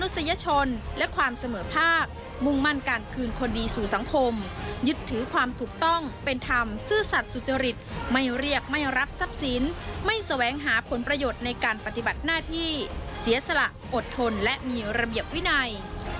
ความเสมอภาคมุ่งมั่นการคืนคนดีสู่สังคมยึดถือความถูกต้องเป็นธรรมซื่อสัตว์สุจริตไม่เรียกไม่รับทรัพย์สินไม่แสวงหาผลประโยชน์ในการปฏิบัติหน้าที่เสียสละอดทนและมีระเบียบวินัย